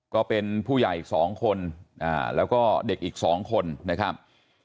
ก็เป็นผู้ใหญ่อีก๒คนแล้วก็เด็กอีก๒คนนะครับ